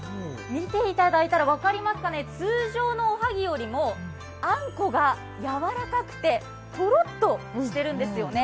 見ていただいたら分かりますかね、通常のおはぎよりもあんこがやわらかくてとろっとしているんですよね。